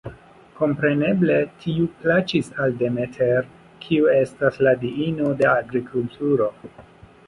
Kompreneble tiu plaĉis al Demeter, kiu estas la diino de agrikulturo.